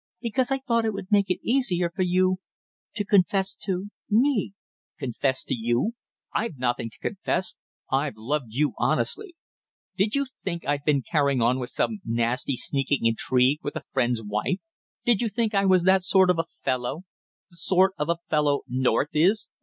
"Because I thought it would make it easier for you to confess to me " "Confess to you? I've nothing to confess I've loved you honestly! Did you think I'd been carrying on some nasty sneaking intrigue with a friend's wife did you think I was that sort of a fellow the sort of a fellow North is?